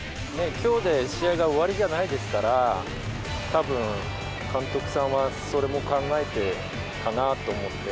きょうで試合が終わりじゃないですから、たぶん、監督さんは、それも考えてかなぁと思って、